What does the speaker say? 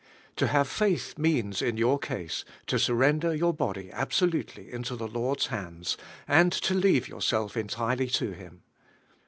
To have faith means in your ease, to surrender your body ab solutely into the Lord's hands, and to leave yourself entirely to Him.